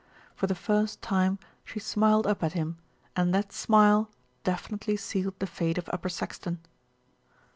For the first time she smiled up at him, and that smile definitely sealed the fate of Upper Saxton.